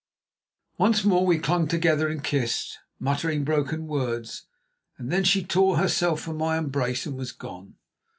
Once more we clung together and kissed, muttering broken words, and then she tore herself from my embrace and was gone.